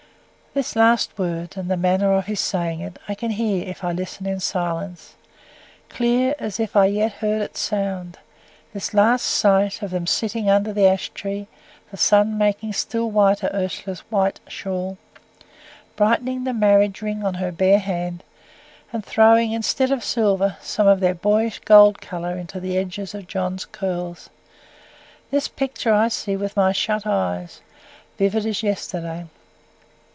This last word, and the manner of his saying it, I can hear if I listen in silence, clear as if yet I heard its sound. This last sight of them sitting under the ash tree, the sun making still whiter Ursula's white shawl, brightening the marriage ring on her bare hand, and throwing, instead of silver, some of their boyish gold colour into the edges of John's curls this picture I see with my shut eyes, vivid as yesterday.